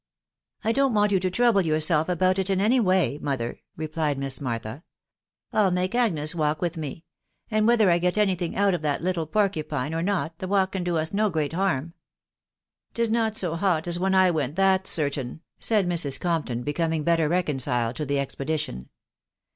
I don't want you to trouble yourself about it in any way, er," replied Miss Martha. « I'll make Agnes walk with ind whether I get any thing out of tne little porcupine or he walk can do us no great harm." fts not so hot as when I went that'* certain/' said Mrs. THB WIDOW BARNAB7. S9 mpton, becoming better reconciled to the expedition.